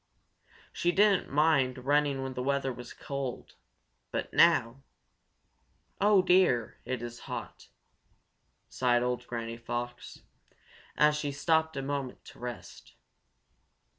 She didn't mind running when the weather was cold, but now "Oh dear, it is hot!" sighed old Granny Fox, as she stopped a minute to rest.